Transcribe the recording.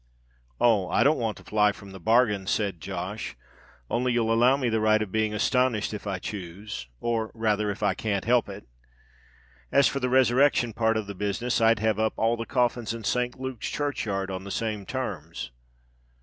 "Oh! I don't want to fly from the bargain," said Josh; "only you'll allow me the right of being astonished if I choose—or rather if I can't help it. As for the resurrection part of the business, I'd have up all the coffins in Saint Luke's churchyard on the same terms."